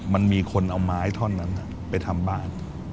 มันมีคนเอาไม้ท่อนนั้นไปทำบ้าน